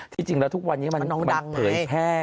จริงแล้วทุกวันนี้มันเผยแพร่